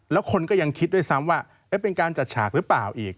แล้วคนก็ยังคิดด้วยซ้ำว่าเป็นการจัดฉากหรือเปล่าอีก